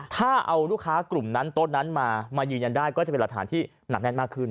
ถ้าเอาลูกค้ากลุ่มนั้นโต๊ะนั้นมายืนยันได้ก็จะเป็นหลักฐานที่หนักแน่นมากขึ้น